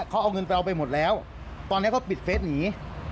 เขาเอาเงินไปเอาไปหมดแล้วตอนนี้เขาปิดเฟสหนี